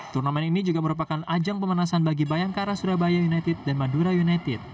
turnamen ini juga merupakan ajang pemanasan bagi bayangkara surabaya united dan madura united